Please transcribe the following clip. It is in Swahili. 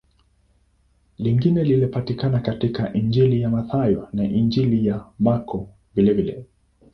Lingine linapatikana katika Injili ya Mathayo na Injili ya Marko vilevile.